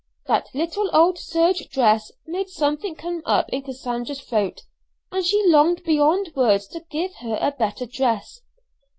That little old serge dress made something come up in Cassandra's throat, and she longed beyond words to give her a better dress.